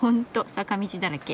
坂道だらけ。